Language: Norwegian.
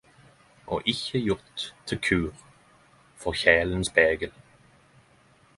Og ikkje gjort til kur for kjælen spegel.